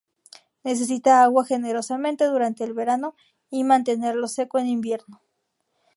Necesita agua generosamente durante el verano y mantenerlo seco en invierno.